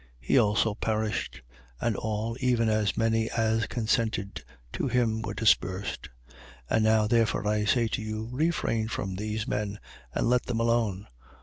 He also perished: and all, even as many as consented to him, were dispersed. 5:38. And now, therefore, I say to you: Refrain from these men and let them alone.